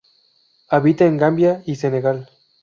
Habita en Gambia y Senegal.